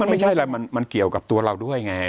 มันไม่ใช่อะไรมันเกี่ยวกับตัวเราด้วยไง